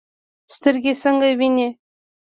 سترګې څنګه ویني؟